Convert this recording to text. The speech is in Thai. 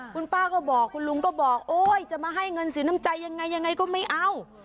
คุณป้าก็บอกคุณลุงก็บอกโอ๊ยจะมาให้เงินสีน้ำใจยังไงยังไงก็ไม่เอา